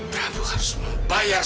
prabu harus membayar